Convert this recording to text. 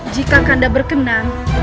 jika kanda berkenan